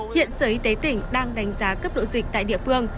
hiện sở y tế tỉnh đang đánh giá cấp độ dịch tại địa phương